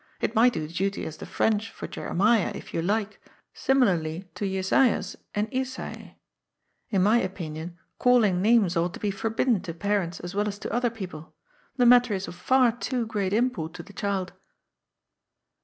^' It might do duty as the French for Jeremiah if you like, similarly to Jesaias and Isaie. In my opinion, calling names ought to be forbidden to parents as well as to other people. The matter is of far too great import to the child."